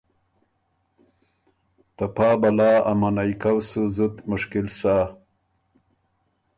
ته پا بلا ا منعئ کؤ سُو زُت مشکل سۀ۔